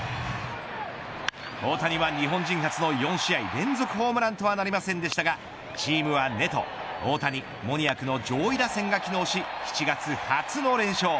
大谷は日本人初の４試合連続ホームランとはなりませんでしたがチームはネト大谷、モニアクの上位打線が機能し７月初の連勝。